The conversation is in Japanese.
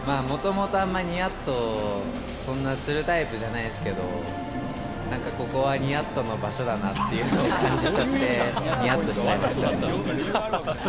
もともとあんまりにやっとそんなするタイプじゃないですけど、なんかここはにやっとの場所だなと感じちゃって、にやっとしちゃいました。